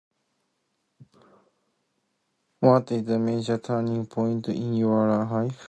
What is a major turning point in your life?